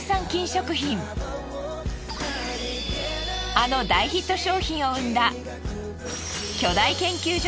あの大ヒット商品を生んだ。